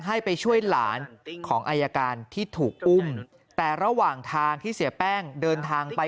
ให้ไปช่วยหลานของอายการที่ถูกอุ้มแต่ระหว่างทางที่เสียแป้งเดินทางไป